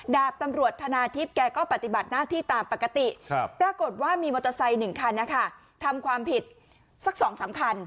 ดาบตำรวจธนาทิพย์แกก็ปฏิบัติหน้าที่ตามปกติปรากฏว่ามีมอเตอร์ไซค์๑คันนะคะทำความผิดสัก๒๓คัน